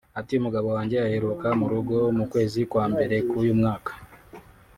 Ati "Umugabo wanjye aheruka mu rugo mu kwezi kwa mbere k’uyu mwaka